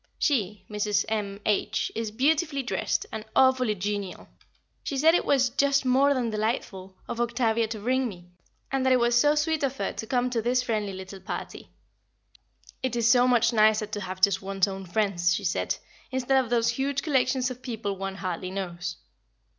She Mrs. M. H. is beautifully dressed, and awfully genial; she said it was "just more than delightful" of Octavia to bring me, and that it was so sweet of her to come to this friendly little party. "It is so much nicer to have just one's own friends," she said, "instead of those huge collections of people one hardly knows."